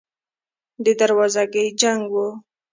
د دروازګۍ جنګ و.